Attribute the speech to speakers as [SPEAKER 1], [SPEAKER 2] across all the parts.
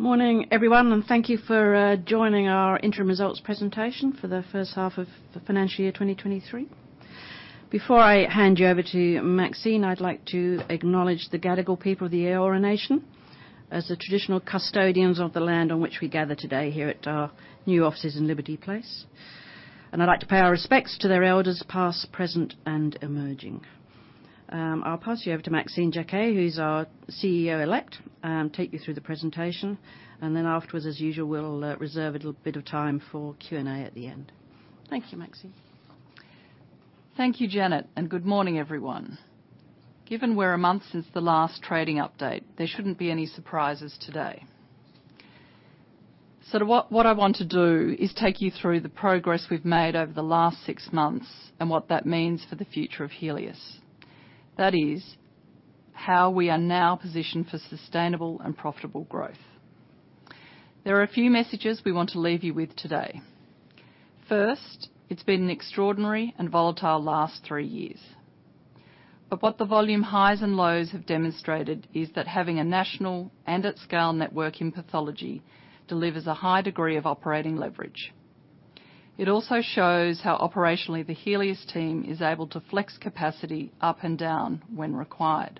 [SPEAKER 1] Morning, everyone, and thank you for joining our interim results presentation for the first half of the financial year, 2023. Before I hand you over to Maxine, I'd like to acknowledge the Gadigal people of the Eora Nation as the traditional custodians of the land on which we gather today here at our new offices in Liberty Place. I'd like to pay our respects to their elders, past, present, and emerging. I'll pass you over to Maxine Jaquet, who's our CEO Elect, take you through the presentation. Afterwards, as usual, we'll reserve a little bit of time for Q&A at the end. Thank you, Maxine.
[SPEAKER 2] Thank you, Janet. Good morning, everyone. Given we're a month since the last trading update, there shouldn't be any surprises today. What I want to do is take you through the progress we've made over the last six months and what that means for the future of Healius. That is, how we are now positioned for sustainable and profitable growth. There are a few messages we want to leave you with today. First, it's been an extraordinary and volatile last three years. What the volume highs and lows have demonstrated is that having a national, and at scale, network in pathology delivers a high degree of operating leverage. It also shows how operationally the Healius team is able to flex capacity up and down when required.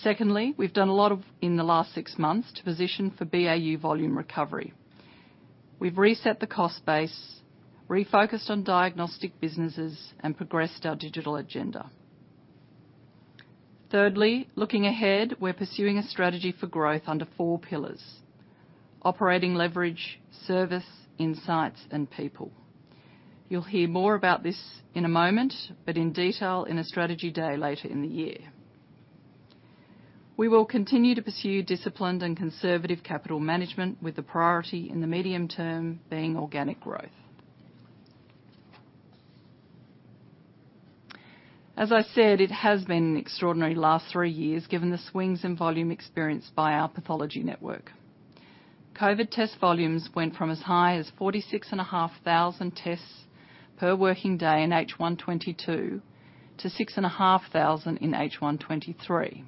[SPEAKER 2] Secondly, we've done a lot in the last six months to position for BAU volume recovery. We've reset the cost base, refocused on diagnostic businesses, and progressed our digital agenda. Thirdly, looking ahead, we're pursuing a strategy for growth under four pillars: operating leverage, service, insights, and people. You'll hear more about this in a moment, but in detail in a strategy day later in the year. We will continue to pursue disciplined and conservative capital management with the priority in the medium term being organic growth. As I said, it has been an extraordinary last three years given the swings in volume experienced by our pathology network. COVID test volumes went from as high as 46,500 tests per working day in H1 2022 to 6,500 in H1 2023.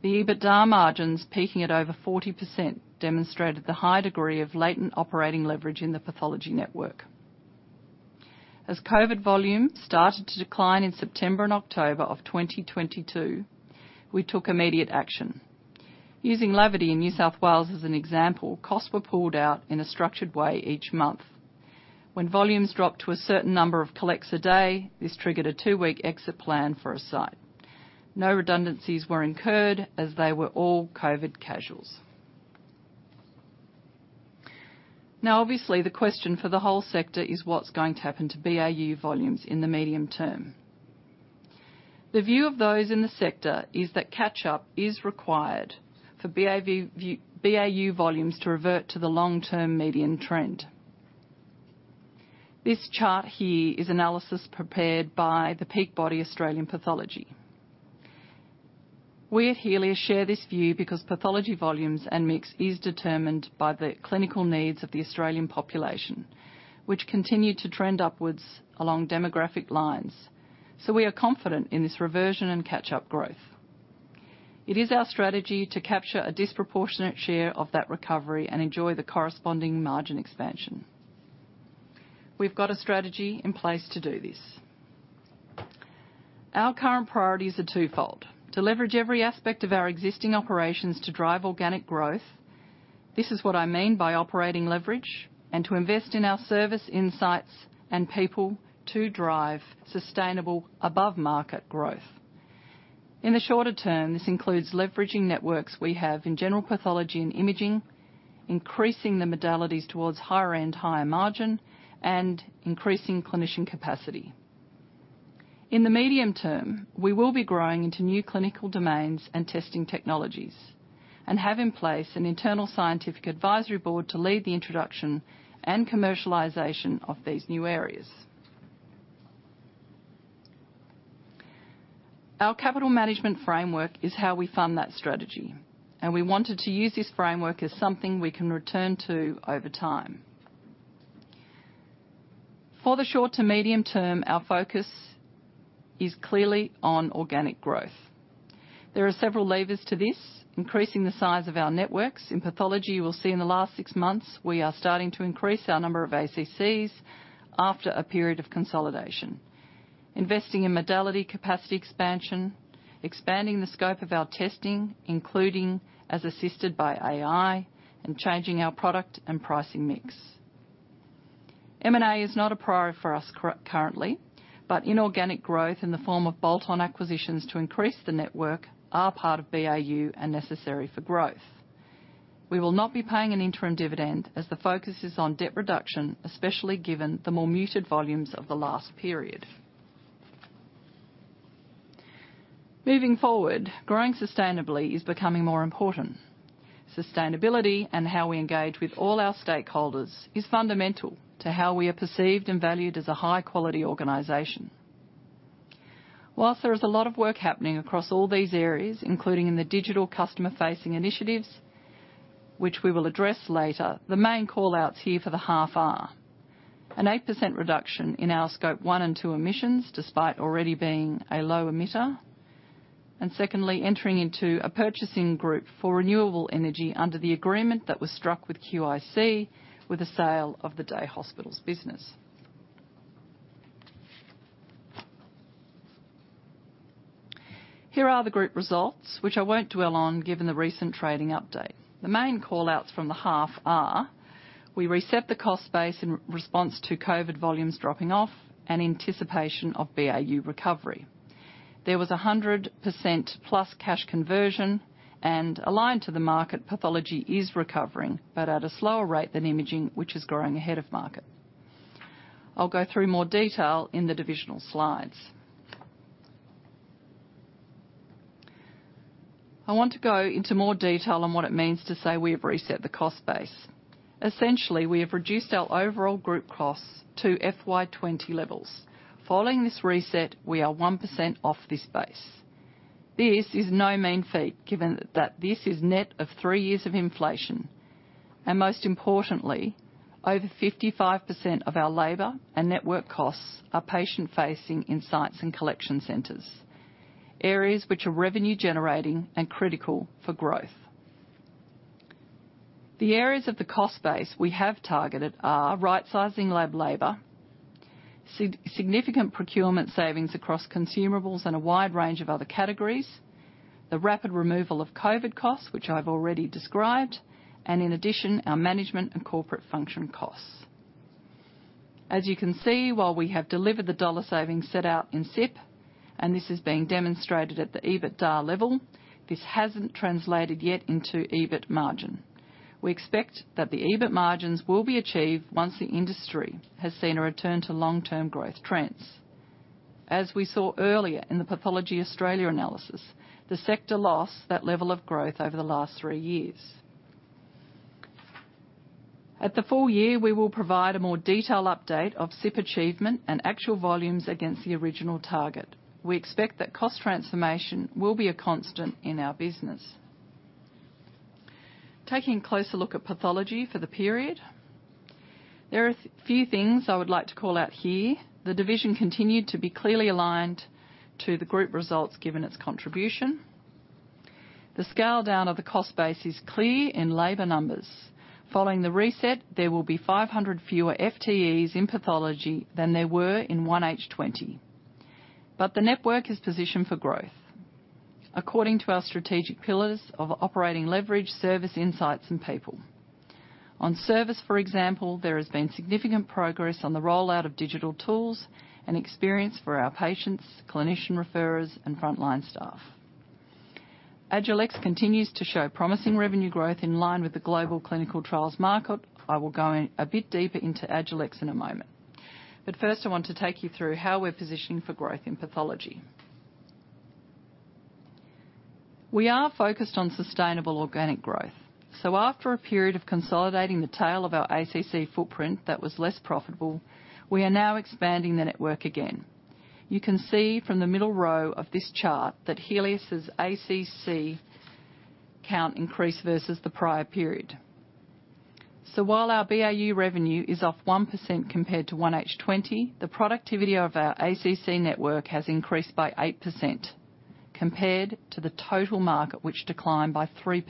[SPEAKER 2] The EBITDA margins peaking at over 40% demonstrated the high degree of latent operating leverage in the pathology network. COVID volume started to decline in September and October of 2022, we took immediate action. Using Laverty in New South Wales as an example, costs were pulled out in a structured way each month. When volumes dropped to a certain number of collects a day, this triggered a 2-week exit plan for a site. No redundancies were incurred as they were all COVID casuals. Obviously, the question for the whole sector is what's going to happen to BAU volumes in the medium term. The view of those in the sector is that catch-up is required for BAU volumes to revert to the long-term median trend. This chart here is analysis prepared by the peak body Australian Pathology. We at Healius share this view because pathology volumes and mix is determined by the clinical needs of the Australian population, which continue to trend upwards along demographic lines. We are confident in this reversion and catch-up growth. It is our strategy to capture a disproportionate share of that recovery and enjoy the corresponding margin expansion. We've got a strategy in place to do this. Our current priorities are twofold: To leverage every aspect of our existing operations to drive organic growth, this is what I mean by operating leverage, and to invest in our service insights and people to drive sustainable above-market growth. In the shorter term, this includes leveraging networks we have in general pathology and imaging, increasing the modalities towards higher end, higher margin, and increasing clinician capacity. In the medium term, we will be growing into new clinical domains and testing technologies, and have in place an internal scientific advisory board to lead the introduction and commercialization of these new areas. Our capital management framework is how we fund that strategy. We wanted to use this framework as something we can return to over time. For the short to medium term, our focus is clearly on organic growth. There are several levers to this. Increasing the size of our networks. In pathology, we'll see in the last 6 months, we are starting to increase our number of ACCs after a period of consolidation. Investing in modality capacity expansion, expanding the scope of our testing, including as assisted by AI, and changing our product and pricing mix. M&A is not a priority for us currently, but inorganic growth in the form of bolt-on acquisitions to increase the network are part of BAU and necessary for growth. We will not be paying an interim dividend as the focus is on debt reduction, especially given the more muted volumes of the last period. Moving forward, growing sustainably is becoming more important. Sustainability and how we engage with all our stakeholders is fundamental to how we are perceived and valued as a high-quality organization. Whilst there is a lot of work happening across all these areas, including in the digital customer-facing initiatives, which we will address later, the main call-outs here for the half are: An 8% reduction in our Scope 1 and 2 emissions, despite already being a low emitter. Secondly, entering into a purchasing group for renewable energy under the agreement that was struck with QIC, with the sale of the day hospitals business. Here are the group results, which I won't dwell on given the recent trading update. The main call-outs from the half are: We reset the cost base in response to COVID volumes dropping off and anticipation of BAU recovery. Aligned to the market, pathology is recovering, but at a slower rate than imaging, which is growing ahead of market. I'll go through more detail in the divisional slides. I want to go into more detail on what it means to say we have reset the cost base. Essentially, we have reduced our overall group costs to FY 2020 levels. Following this reset, we are 1% off this base. This is no mean feat, given that this is net of three years of inflation. Most importantly, over 55% of our labor and network costs are patient-facing in sites and collection centers, areas which are revenue generating and critical for growth. The areas of the cost base we have targeted are right-sizing lab labor, significant procurement savings across consumables and a wide range of other categories, the rapid removal of COVID costs, which I've already described, and in addition, our management and corporate function costs. As you can see, while we have delivered the dollar savings set out in SIP, and this is being demonstrated at the EBITDA level, this hasn't translated yet into EBIT margin. We expect that the EBIT margins will be achieved once the industry has seen a return to long-term growth trends. As we saw earlier in the Pathology Australia analysis, the sector lost that level of growth over the last three years. At the full year, we will provide a more detailed update of SIP achievement and actual volumes against the original target. We expect that cost transformation will be a constant in our business. Taking a closer look at pathology for the period, there are a few things I would like to call out here. The division continued to be clearly aligned to the group results given its contribution. The scale down of the cost base is clear in labor numbers. Following the reset, there will be 500 fewer FTEs in pathology than there were in 1H 2020. The network is positioned for growth according to our strategic pillars of operating leverage, service, insights, and people. On service, for example, there has been significant progress on the rollout of digital tools and experience for our patients, clinician referrers, and frontline staff. Agilex continues to show promising revenue growth in line with the global clinical trials market. I will go in a bit deeper into Agilex in a moment. First, I want to take you through how we're positioning for growth in pathology. We are focused on sustainable organic growth. After a period of consolidating the tail of our ACC footprint that was less profitable, we are now expanding the network again. You can see from the middle row of this chart that Healius' ACC count increased versus the prior period. While our BAU revenue is off 1% compared to 1H 2020, the productivity of our ACC network has increased by 8% compared to the total market, which declined by 3%.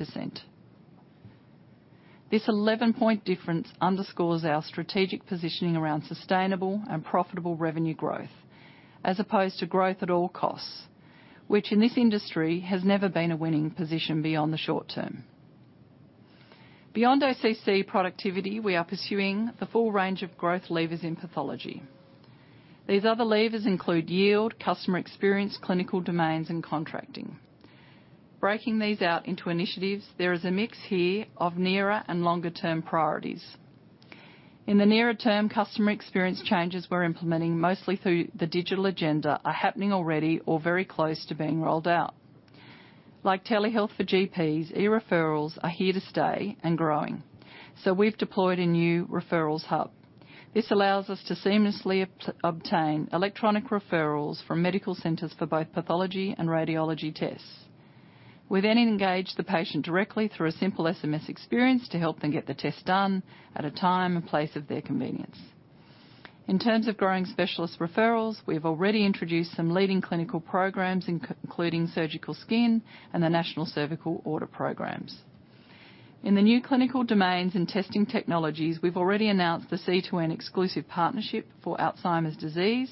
[SPEAKER 2] This 11-point difference underscores our strategic positioning around sustainable and profitable revenue growth, as opposed to growth at all costs, which in this industry has never been a winning position beyond the short term. Beyond OCC productivity, we are pursuing the full range of growth levers in pathology. These other levers include yield, customer experience, clinical domains, and contracting. Breaking these out into initiatives, there is a mix here of nearer and longer term priorities. In the nearer term, customer experience changes we're implementing mostly through the digital agenda are happening already or very close to being rolled out. Telehealth for GPs, e-referrals are here to stay and growing, so we've deployed a new Referrals Hub. This allows us to seamlessly obtain electronic referrals from medical centers for both pathology and radiology tests. We engage the patient directly through a simple SMS experience to help them get the test done at a time and place of their convenience. In terms of growing specialist referrals, we have already introduced some leading clinical programs, including surgical skin and the National Cervical Order programs. In the new clinical domains and testing technologies, we've already announced the C2N exclusive partnership for Alzheimer's disease.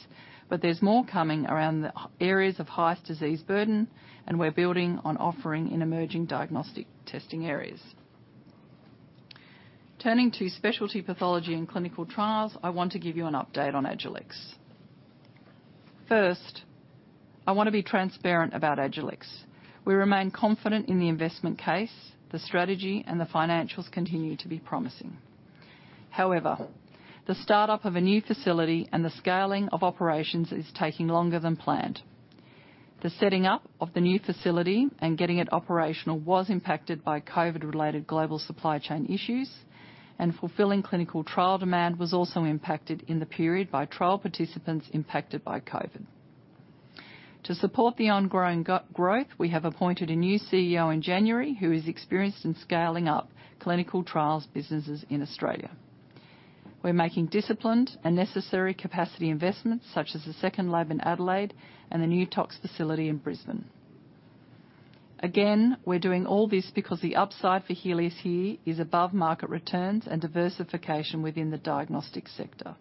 [SPEAKER 2] There's more coming around the areas of highest disease burden. We're building on offering in emerging diagnostic testing areas. Turning to specialty pathology and clinical trials, I want to give you an update on Agilex. First, I wanna be transparent about Agilex. We remain confident in the investment case. The strategy and the financials continue to be promising. However, the start-up of a new facility and the scaling of operations is taking longer than planned. The setting up of the new facility and getting it operational was impacted by COVID-related global supply chain issues. Fulfilling clinical trial demand was also impacted in the period by trial participants impacted by COVID. To support the ongoing growth, we have appointed a new CEO in January who is experienced in scaling up clinical trials businesses in Australia. We're making disciplined and necessary capacity investments such as the second lab in Adelaide and the new tox facility in Brisbane. We're doing all this because the upside for Healius here is above market returns and diversification within the diagnostics sector.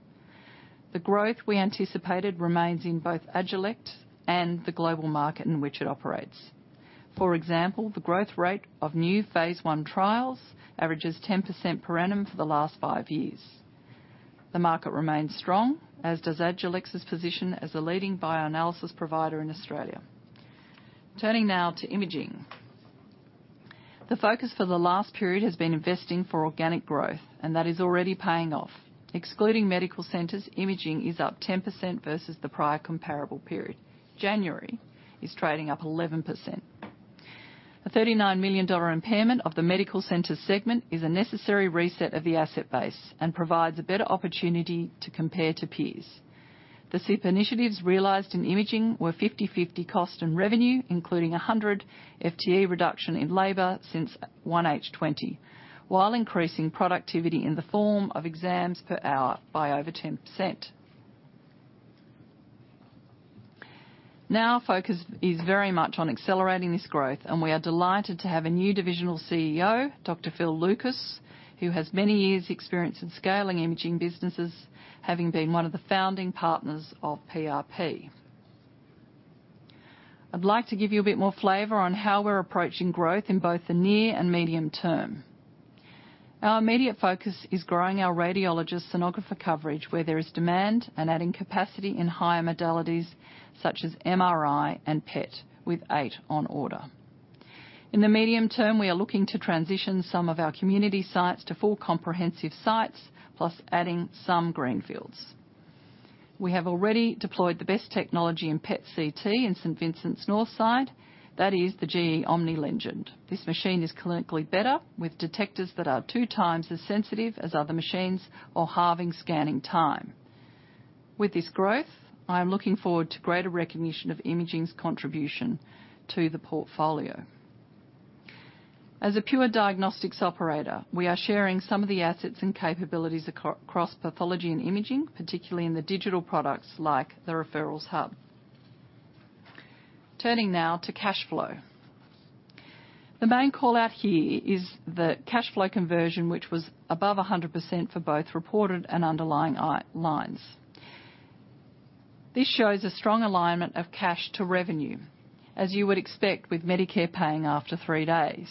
[SPEAKER 2] The growth we anticipated remains in both Agilex and the global market in which it operates. For example, the growth rate of new phase one trials averages 10% per annum for the last five years. The market remains strong, as does Agilex's position as a leading bioanalysis provider in Australia. Turning now to imaging. The focus for the last period has been investing for organic growth. That is already paying off. Excluding medical centers, imaging is up 10% versus the prior comparable period. January is trading up 11%. A 39 million dollar impairment of the medical centers segment is a necessary reset of the asset base and provides a better opportunity to compare to peers. The SIP initiatives realized in imaging were 50/50 cost and revenue, including a 100 FTE reduction in labor since 1H 2020, while increasing productivity in the form of exams per hour by over 10%. Now, focus is very much on accelerating this growth. We are delighted to have a new divisional CEO, Dr. Phil Lucas, who has many years' experience in scaling imaging businesses, having been one of the founding partners of PRP Diagnostic Imaging. I'd like to give you a bit more flavor on how we're approaching growth in both the near and medium term. Our immediate focus is growing our radiologist sonographer coverage where there is demand and adding capacity in higher modalities such as MRI and PET, with 8 on order. In the medium term, we are looking to transition some of our community sites to full comprehensive sites, plus adding some greenfields. We have already deployed the best technology in PET CT in St Vincent's Northside. That is the GE Omni Legend. This machine is clinically better, with detectors that are 2x as sensitive as other machines or halving scanning time. With this growth, I am looking forward to greater recognition of imaging's contribution to the portfolio. As a pure diagnostics operator, we are sharing some of the assets and capabilities across pathology and imaging, particularly in the digital products like the Referrals Hub. Turning now to cash flow. The main call-out here is the cash flow conversion, which was above 100% for both reported and underlying lines. This shows a strong alignment of cash to revenue, as you would expect with Medicare paying after 3 days.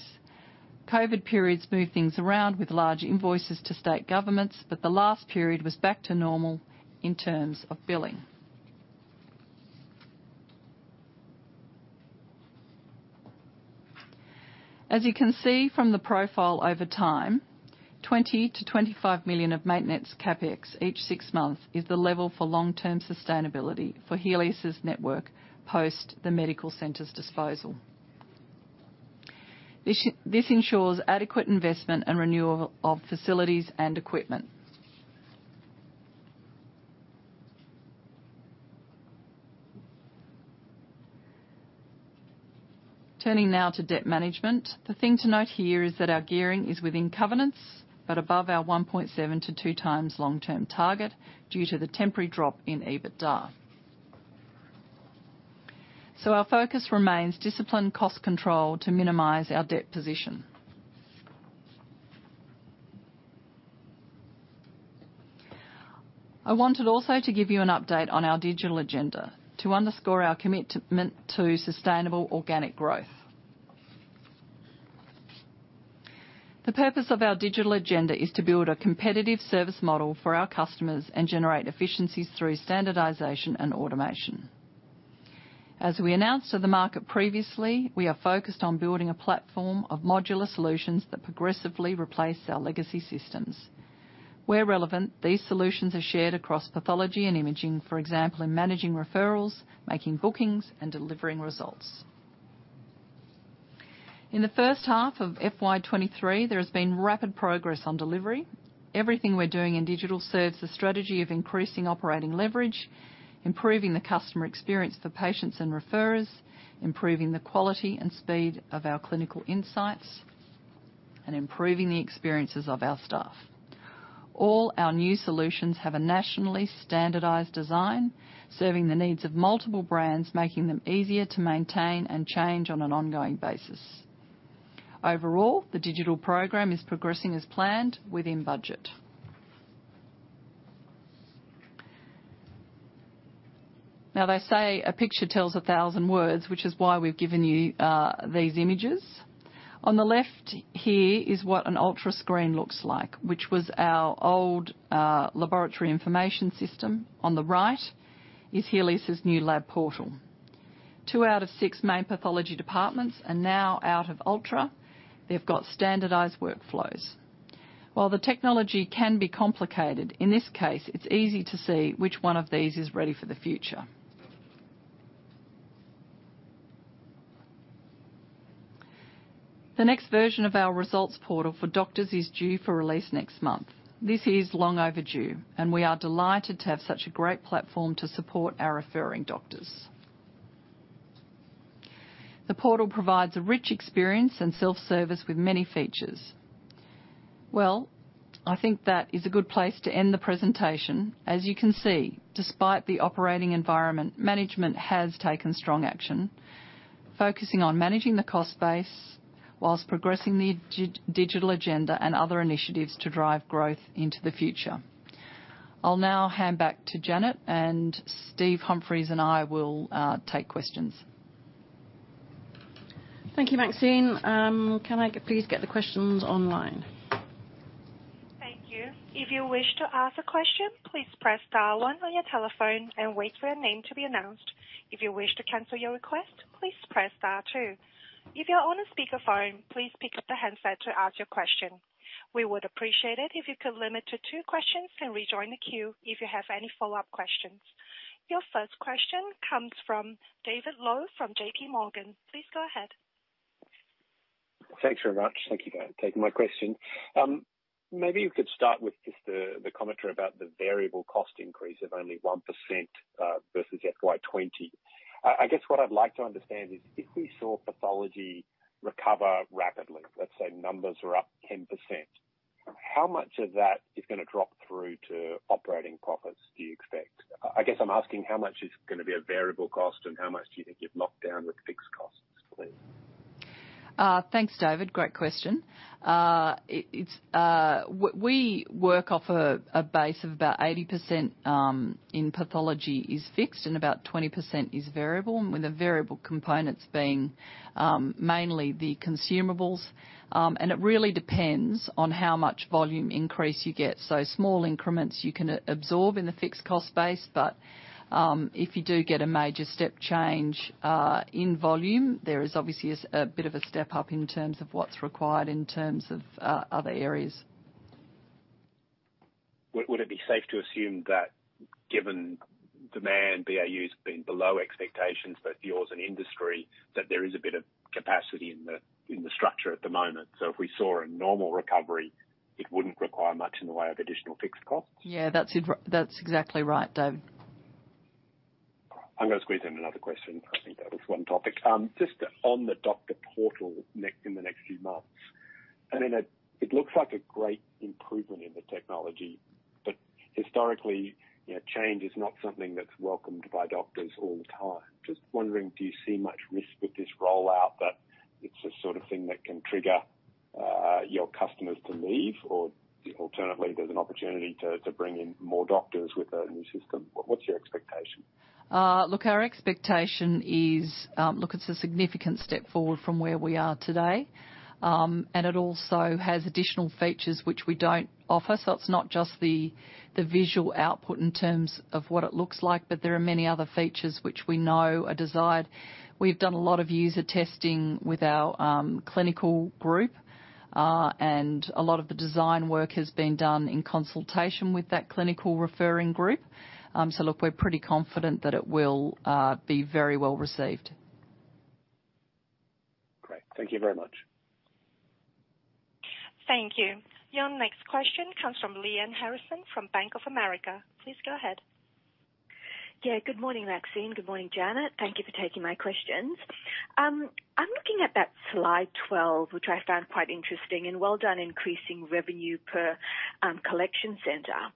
[SPEAKER 2] COVID periods move things around with large invoices to state governments, the last period was back to normal in terms of billing. As you can see from the profile over time, 20 million-25 million of maintenance CapEx each 6 months is the level for long-term sustainability for Healius' network post the medical center's disposal. This ensures adequate investment and renewal of facilities and equipment. Turning now to debt management. The thing to note here is that our gearing is within covenants, but above our 1.7x-2x long-term target due to the temporary drop in EBITDA. Our focus remains disciplined cost control to minimize our debt position. I wanted also to give you an update on our digital agenda to underscore our commitment to sustainable organic growth. The purpose of our digital agenda is to build a competitive service model for our customers and generate efficiencies through standardization and automation. As we announced to the market previously, we are focused on building a platform of modular solutions that progressively replace our legacy systems. Where relevant, these solutions are shared across pathology and imaging, for example, in managing referrals, making bookings, and delivering results. In the first half of FY 2023, there has been rapid progress on delivery. Everything we're doing in digital serves the strategy of increasing operating leverage, improving the customer experience for patients and referrers, improving the quality and speed of our clinical insights, and improving the experiences of our staff. All our new solutions have a nationally standardized design serving the needs of multiple brands, making them easier to maintain and change on an ongoing basis. Overall, the digital program is progressing as planned within budget. They say a picture tells a thousand words, which is why we've given you these images. On the left here is what an Ultra Screen looks like, which was our old laboratory information system. On the right is Healius' new lab portal. 2 out of 6 main pathology departments are now out of Ultra. They've got standardized workflows. While the technology can be complicated, in this case, it's easy to see which one of these is ready for the future. The next version of our results portal for doctors is due for release next month. We are delighted to have such a great platform to support our referring doctors. The portal provides a rich experience and self-service with many features. Well, I think that is a good place to end the presentation. As you can see, despite the operating environment, management has taken strong action, focusing on managing the cost base whilst progressing the digital agenda and other initiatives to drive growth into the future. I'll now hand back to Janet, and Steve Humphries and I will take questions.
[SPEAKER 1] Thank you, Maxine. Can I please get the questions online?
[SPEAKER 3] Thank you. If you wish to ask a question, please press star one on your telephone and wait for your name to be announced. If you wish to cancel your request, please press star two. If you're on a speakerphone, please pick up the handset to ask your question. We would appreciate it if you could limit to two questions and rejoin the queue if you have any follow-up questions. Your first question comes from David Low from JPMorgan. Please go ahead.
[SPEAKER 4] Thanks very much. Thank you for taking my question. Maybe you could start with just the commentary about the variable cost increase of only 1%, versus FY 2020. I guess what I'd like to understand is if we saw pathology recover rapidly, let's say numbers are up 10%, how much of that is gonna drop through to operating profits do you expect? I guess I'm asking how much is gonna be a variable cost and how much do you think you've locked down with fixed costs, please?
[SPEAKER 2] Thanks, David. Great question. We work off a base of about 80% in pathology is fixed and about 20% is variable, with the variable components being mainly the consumables. It really depends on how much volume increase you get. Small increments you can absorb in the fixed cost base, but if you do get a major step change in volume, there is obviously a bit of a step-up in terms of what's required in terms of other areas.
[SPEAKER 4] Would it be safe to assume that given demand, BAU's been below expectations, both yours and industry, that there is a bit of capacity in the structure at the moment? If we saw a normal recovery, it wouldn't require much in the way of additional fixed costs?
[SPEAKER 2] Yeah, that's it that's exactly right, David.
[SPEAKER 4] I'm gonna squeeze in another question. I think that was one topic. Just on the doctor portal in the next few months. I mean, it looks like a great improvement in the technology, but historically, you know, change is not something that's welcomed by doctors all the time. Just wondering, do you see much risk with this rollout, that it's the sort of thing that can trigger your customers to leave, or alternatively, there's an opportunity to bring in more doctors with a new system? What's your expectation?
[SPEAKER 2] Look, our expectation is. Look, it's a significant step forward from where we are today. It also has additional features which we don't offer. It's not just the visual output in terms of what it looks like, but there are many other features which we know are desired. We've done a lot of user testing with our clinical group, and a lot of the design work has been done in consultation with that clinical referring group. Look, we're pretty confident that it will be very well received.
[SPEAKER 4] Great. Thank you very much.
[SPEAKER 3] Thank you. Your next question comes from Lyanne Harrison from Bank of America. Please go ahead.
[SPEAKER 5] Good morning, Maxine. Good morning, Janet. Thank you for taking my questions. I'm looking at that slide 12, which I found quite interesting, and well done increasing revenue per collection center.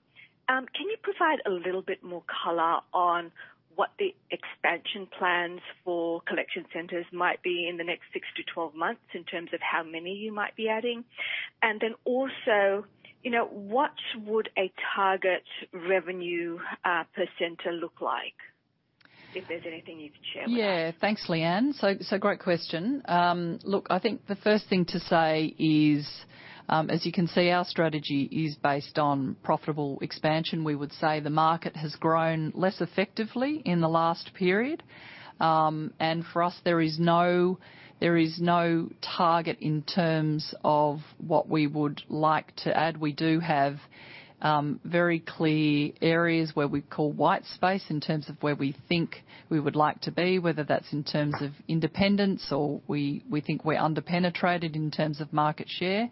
[SPEAKER 5] Can you provide a little bit more color on what the expansion plans for collection centers might be in the next 6-12 months in terms of how many you might be adding? Then also, you know, what would a target revenue per center look like, if there's anything you can share with us?
[SPEAKER 2] Yeah. Thanks, Lyanne. Great question. Look, I think the first thing to say is, as you can see, our strategy is based on profitable expansion. We would say the market has grown less effectively in the last period. For us, there is no target in terms of what we would like to add. We do have very clear areas where we call white space in terms of where we think we would like to be, whether that's in terms of independence or we think we're under-penetrated in terms of market share,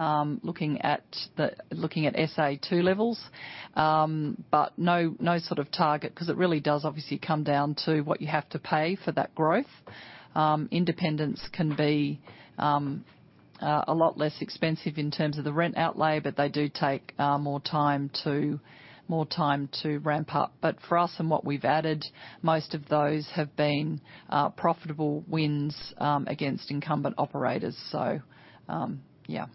[SPEAKER 2] looking at SA2 levels. No sort of target, 'cause it really does obviously come down to what you have to pay for that growth. Independence can be a lot less expensive in terms of the rent outlay. They do take more time to ramp up. For us and what we've added, most of those have been profitable wins against incumbent operators. Yeah.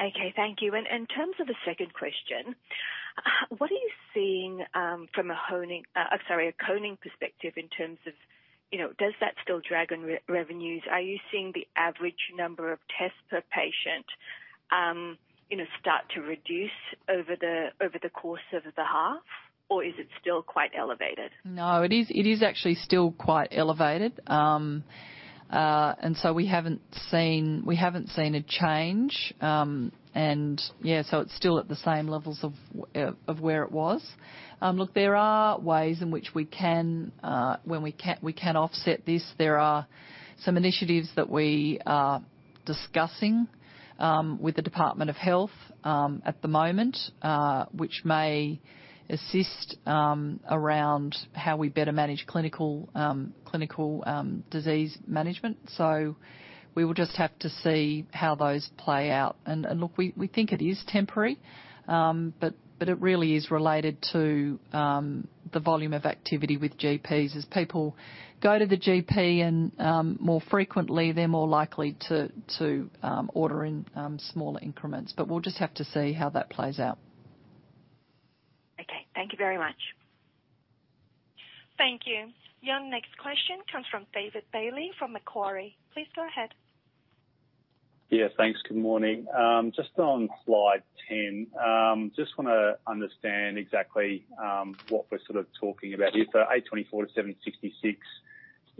[SPEAKER 5] Okay, thank you. In terms of the second question, what are you seeing, from a honing, sorry, a COVID perspective in terms of, you know, does that still drag on revenues? Are you seeing the average number of tests per patient, you know, start to reduce over the course of the half, or is it still quite elevated?
[SPEAKER 2] No, it is, it is actually still quite elevated. We haven't seen a change. It's still at the same levels of where it was. Look, there are ways in which we can, when we can offset this. There are some initiatives that we discussing with the Department of Health at the moment, which may assist around how we better manage clinical disease management. We will just have to see how those play out. Look, we think it is temporary, but it really is related to the volume of activity with GPs. As people go to the GP and more frequently, they're more likely to order in smaller increments. We'll just have to see how that plays out.
[SPEAKER 6] Okay. Thank you very much.
[SPEAKER 3] Thank you. Your next question comes from David Bailey from Macquarie. Please go ahead.
[SPEAKER 7] Yeah, thanks. Good morning. Just on slide 10, just wanna understand exactly what we're sort of talking about here. Is AUD 824-AUD 766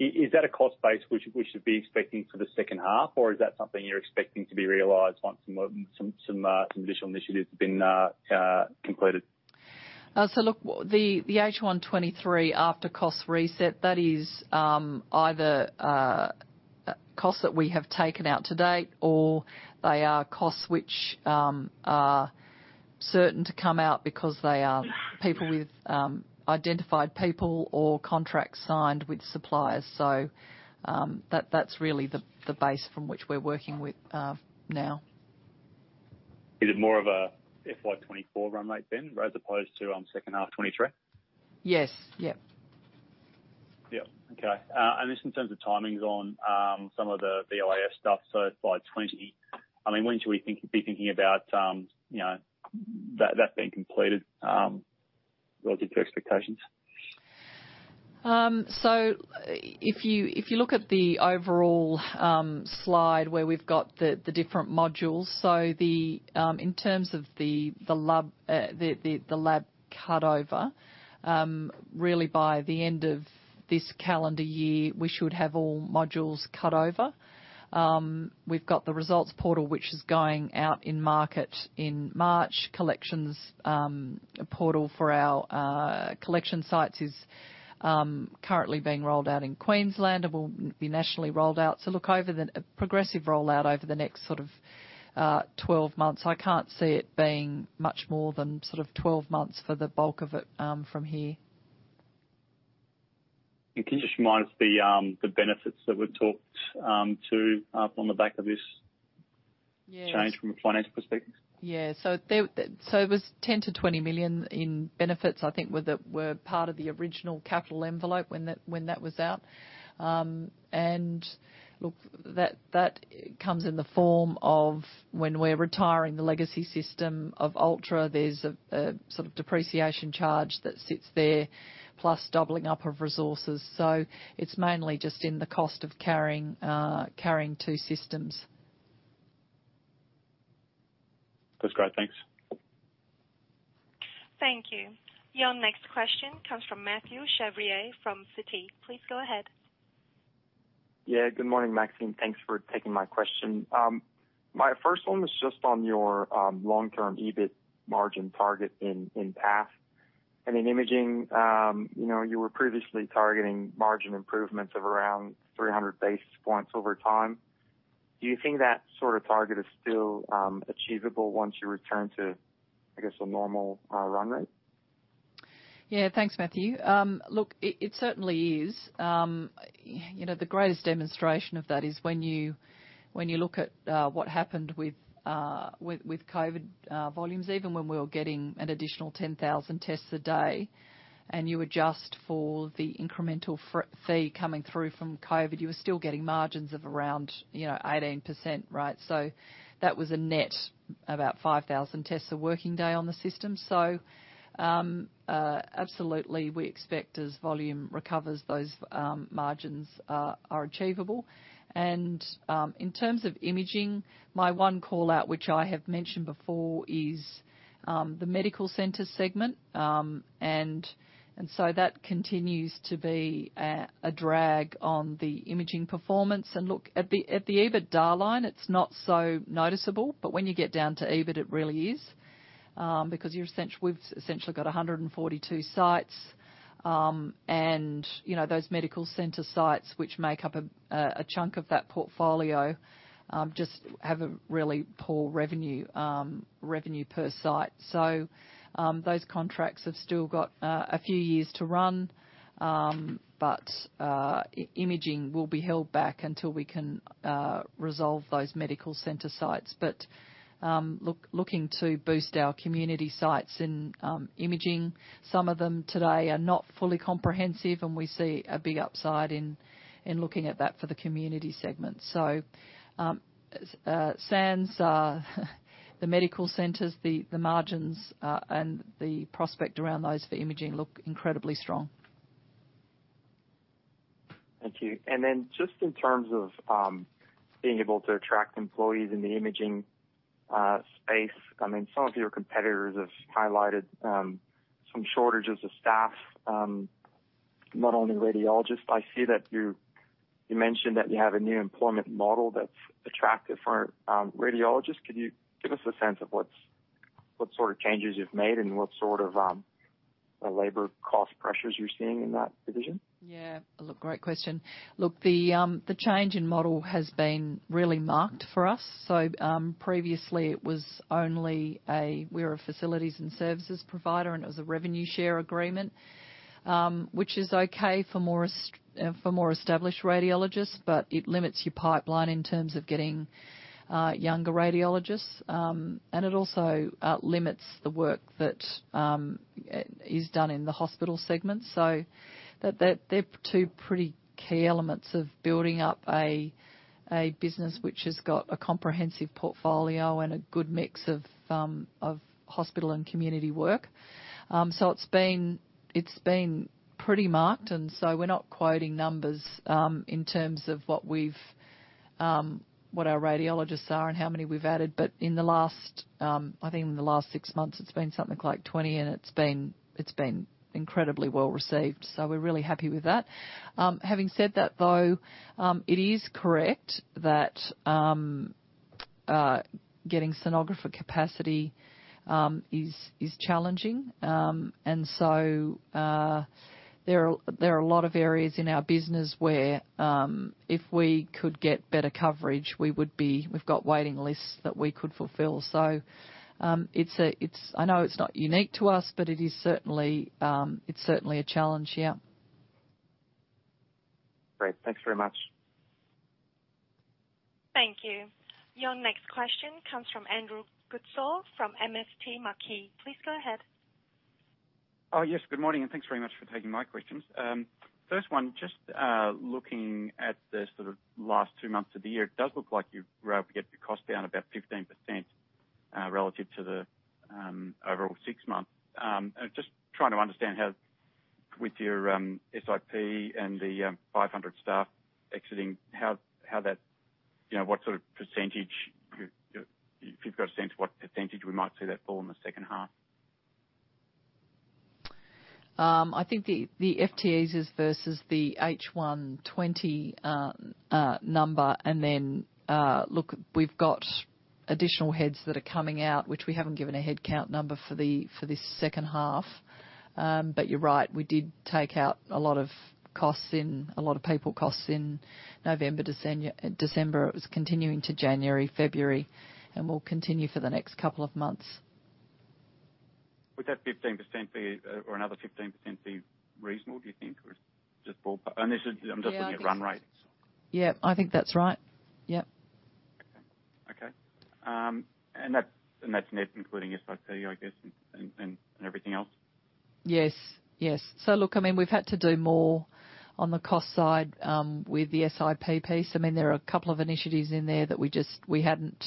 [SPEAKER 7] a cost base we should be expecting for the second half, or is that something you're expecting to be realized once some additional initiatives have been completed?
[SPEAKER 2] Look, the H 123 after cost reset, that is, either costs that we have taken out to date or they are costs which are certain to come out because they are people with.
[SPEAKER 7] Yeah.
[SPEAKER 2] identified people or contracts signed with suppliers. That, that's really the base from which we're working with, now.
[SPEAKER 7] Is it more of a FY 2024 run rate then, as opposed to, second half 2023?
[SPEAKER 2] Yes. Yep.
[SPEAKER 7] Yeah. Okay. Just in terms of timings on some of the VOIS stuff, by 20, I mean, when should we be thinking about, you know, that being completed, relative to expectations?
[SPEAKER 2] If you, if you look at the overall slide where we've got the different modules. In terms of the lab cut over, really by the end of this calendar year, we should have all modules cut over. We've got the results portal, which is going out in market in March. Collections portal for our collection sites is currently being rolled out in Queensland and will be nationally rolled out. Look over the progressive rollout over the next sort of 12 months. I can't see it being much more than sort of 12 months for the bulk of it from here.
[SPEAKER 7] Can you just remind us the the benefits that we've talked to on the back of this?
[SPEAKER 2] Yes.
[SPEAKER 7] change from a financial perspective?
[SPEAKER 2] Yeah. There, it was 10 million-20 million in benefits, I think were part of the original capital envelope when that was out. Look, that comes in the form of when we're retiring the legacy system of Ultra, there's a sort of depreciation charge that sits there, plus doubling up of resources. It's mainly just in the cost of carrying two systems.
[SPEAKER 7] That's great. Thanks.
[SPEAKER 3] Thank you. Your next question comes from Mathieu Chevrier from Citi. Please go ahead.
[SPEAKER 6] Yeah, good morning, Maxine. Thanks for taking my question. My first one was just on your long-term EBIT margin target in Path. In imaging, you know, you were previously targeting margin improvements of around 300 basis points over time. Do you think that sort of target is still achievable once you return to, I guess, a normal run rate?
[SPEAKER 2] Thanks, Mathieu. Look, it certainly is. You know, the greatest demonstration of that is when you, when you look at what happened with with COVID volumes, even when we were getting an additional 10,000 tests a day and you adjust for the incremental fee coming through from COVID, you were still getting margins of around, you know, 18%, right? That was a net about 5,000 tests a working day on the system. Absolutely, we expect as volume recovers, those margins are achievable. In terms of imaging, my one call-out, which I have mentioned before, is the medical center segment. That continues to be a drag on the imaging performance. Look, at the EBITDA line, it's not so noticeable, but when you get down to EBIT, it really is. Because you've essentially got 142 sites. And, you know, those medical center sites which make up a chunk of that portfolio, just have a really poor revenue per site. Those contracts have still got a few years to run. Imaging will be held back until we can resolve those medical center sites. Look, looking to boost our community sites in imaging. Some of them today are not fully comprehensive, and we see a big upside in looking at that for the community segment. Sans the medical centers, the margins and the prospect around those for imaging look incredibly strong.
[SPEAKER 6] Thank you. Just in terms of being able to attract employees in the imaging space, I mean, some of your competitors have highlighted some shortages of staff, not only radiologists. I see that you mentioned that you have a new employment model that's attractive for radiologists. Can you give us a sense of what sort of changes you've made and what sort of The labor cost pressures you're seeing in that division?
[SPEAKER 2] A great question. The change in model has been really marked for us. Previously We're a facilities and services provider, and it was a revenue share agreement. Which is okay for more established radiologists, but it limits your pipeline in terms of getting younger radiologists. And it also limits the work that is done in the hospital segment. They're two pretty key elements of building up a business which has got a comprehensive portfolio and a good mix of hospital and community work. It's been pretty marked, and so we're not quoting numbers in terms of what our radiologists are and how many we've added. In the last, I think in the last six months, it's been something like 20, and it's been incredibly well-received. We're really happy with that. Having said that though, it is correct that getting sonographer capacity is challenging. There are a lot of areas in our business where if we could get better coverage, we've got waiting lists that we could fulfill. It's a, I know it's not unique to us, but it is certainly a challenge, yeah.
[SPEAKER 6] Great. Thanks very much.
[SPEAKER 3] Thank you. Your next question comes from Andrew Goodsall from MST Marquee. Please go ahead.
[SPEAKER 8] Oh, yes. Good morning, and thanks very much for taking my questions. First one, just looking at the sort of last two months of the year, it does look like you were able to get your cost down about 15%, relative to the overall six months. Just trying to understand how with your SIP and the 500 staff exiting, how that, you know, what sort of percentage if you've got a sense of what percentage we might see that fall in the second half.
[SPEAKER 2] I think the FTEs versus the H1 2020 number. Look, we've got additional heads that are coming out, which we haven't given a headcount number for this second half. You're right, we did take out a lot of costs in, a lot of people costs in November, December. It was continuing to January, February, and will continue for the next couple of months.
[SPEAKER 8] Would that 15% be, or another 15% be reasonable, do you think? Or just ballpark. This is, I'm just looking at run rates.
[SPEAKER 2] Yeah. Yeah, I think that's right. Yep.
[SPEAKER 8] Okay. Okay. That's net including SIP, I guess and everything else?
[SPEAKER 2] Yes. Yes. Look, I mean, we've had to do more on the cost side with the SIP piece. I mean, there are a couple of initiatives in there that we hadn't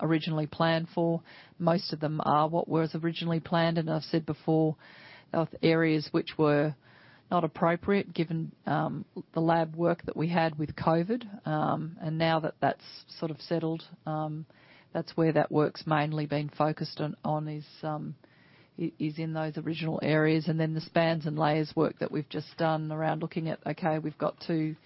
[SPEAKER 2] originally planned for. Most of them are what was originally planned. I've said before, of areas which were not appropriate given the lab work that we had with COVID, and now that that's sort of settled, that's where that work's mainly been focused on is in those original areas. The spans and layers work that we've just done around looking at, okay, we've got two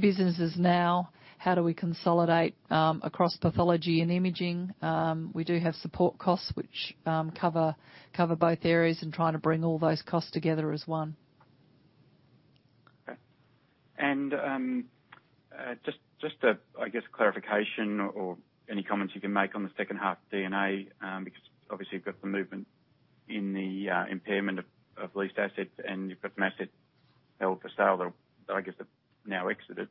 [SPEAKER 2] businesses now, how do we consolidate across pathology and imaging? We do have support costs which cover both areas and trying to bring all those costs together as one.
[SPEAKER 8] Okay. Just a, I guess, clarification or any comments you can make on the second half D&A, because obviously you've got the movement in the impairment of leased assets, and you've got an asset held for sale that, I guess, have now exited.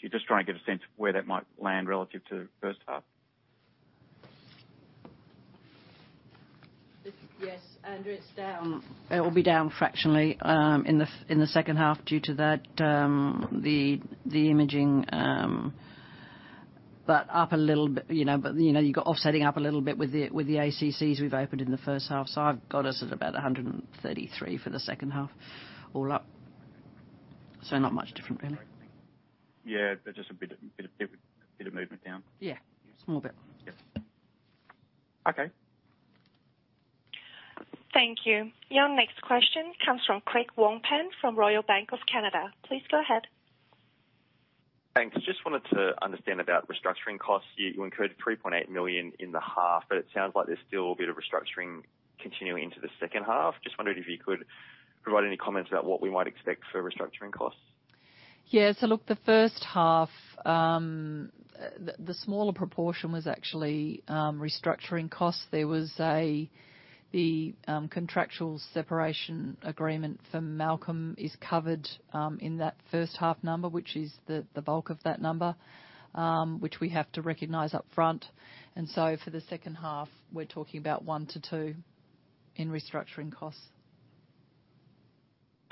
[SPEAKER 8] So just trying to get a sense of where that might land relative to the first half.
[SPEAKER 2] Andrew, it's down. It will be down fractionally, in the second half due to that, the imaging, but up a little bit, you know. You know, you've got offsetting up a little bit with the ACCs we've opened in the first half. I've got us at about 133 for the second half all up. Not much different really.
[SPEAKER 8] Yeah, just a bit of movement down.
[SPEAKER 2] Yeah, a small bit.
[SPEAKER 8] Yes. Okay.
[SPEAKER 3] Thank you. Your next question comes from Craig Wong-Pan from Royal Bank of Canada. Please go ahead.
[SPEAKER 9] Thanks. Just wanted to understand about restructuring costs. You incurred 3.8 million in the half. It sounds like there's still a bit of restructuring continuing into the second half. Just wondering if you could provide any comments about what we might expect for restructuring costs.
[SPEAKER 2] Yeah. Look, the first half, the smaller proportion was actually restructuring costs. There was a contractual separation agreement for Malcolm is covered in that first half number, which is the bulk of that number, which we have to recognize upfront. For the second half, we're talking about 1 million-2 million in restructuring costs.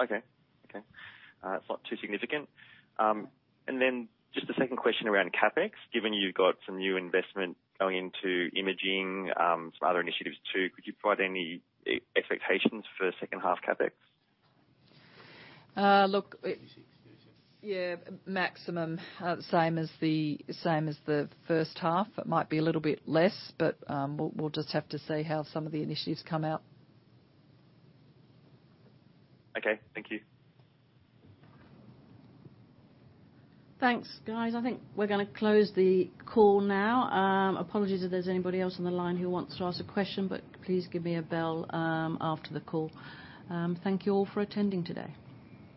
[SPEAKER 9] Okay. Okay. It's not too significant. Just a second question around CapEx. Given you've got some new investment going into imaging, some other initiatives too, could you provide any expectations for second half CapEx?
[SPEAKER 2] Uh, look-
[SPEAKER 9] TC.
[SPEAKER 2] Maximum, same as the first half. It might be a little bit less, we'll just have to see how some of the initiatives come out.
[SPEAKER 9] Okay, thank you.
[SPEAKER 2] Thanks, guys. I think we're gonna close the call now. Apologies if there's anybody else on the line who wants to ask a question, but please give me a bell after the call. Thank you all for attending today.